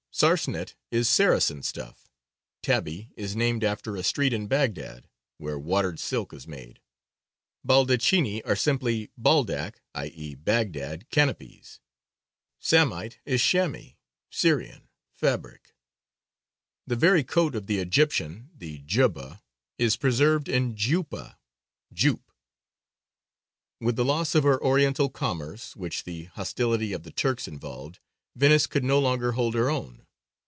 Sarcenet is Saracen stuff; tabby is named after a street in Baghdād where watered silk was made; Baldacchini are simply "Baldac," i.e., Baghdād, canopies; samite is Shāmī, "Syrian," fabric; the very coat of the Egyptian, the jubba, is preserved in giuppa, jupe. With the loss of her Oriental commerce, which the hostility of the Turks involved, Venice could no longer hold her own.